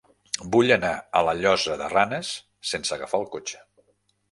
Vull anar a la Llosa de Ranes sense agafar el cotxe.